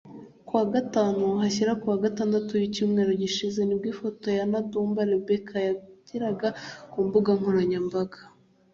Kuwa Gatanu hashyira kuwa Gatandatu w’icyumweru gishize nibwo ifoto ya Nadumba Rebecca yagaragaye ku mbuga nkoranyambaga